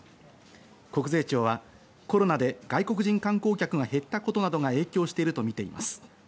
国税庁はコロナで外国人観光客が減ったことなどが影響しているとみています。